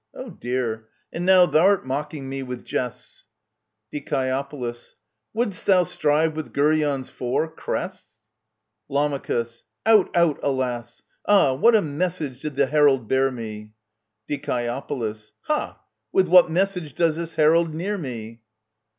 Oh dear ! and now thou'rt mocking me with jests ! Die. Wouldest thou strive with Geryon's four — crests ?* Lam. Out, out, alas ! Ah ! what a message did the herald bear me ! Die. Ha ! with what message does this herald near me